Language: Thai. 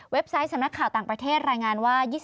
ไซต์สำนักข่าวต่างประเทศรายงานว่า